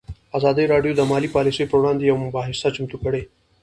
ازادي راډیو د مالي پالیسي پر وړاندې یوه مباحثه چمتو کړې.